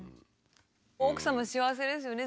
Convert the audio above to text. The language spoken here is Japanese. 奥様幸せですよね。